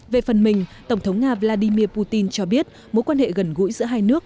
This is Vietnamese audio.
về phần mình tổng thống nga vladimir putin cho biết mối quan hệ gần gũi giữa hai nước